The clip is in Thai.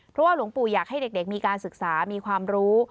เพราะว่าหลวงปู่อยากให้เด็กมีการศึกษามีความรู้